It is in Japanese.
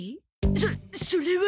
そそれは。